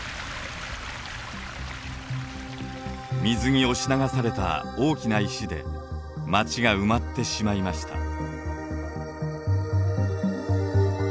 水に押し流された大きな石で町が埋まってしまいました。